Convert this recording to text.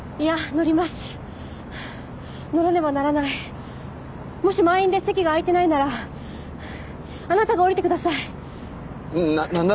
乗ります乗らねばならないもし満員で席が空いてないならあなたが降りてくださいななんだ？